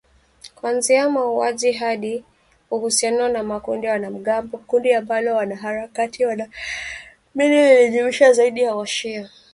kuanzia mauaji hadi uhusiano na makundi ya wanamgambo, kundi ambalo wanaharakati wanaamini lilijumuisha zaidi wa shia